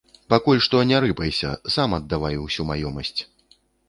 Пакуль што не рыпайся, сам аддавай усю маёмасць.